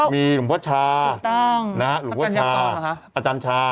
มีหลวงพ่อชาหลวงพ่อชาอาจารย์ชา